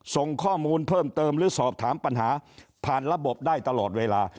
ส่งข้อมูลเพิ่มเติมหรือสอบถามปัญหาผ่านระบบได้ตลอดเวลา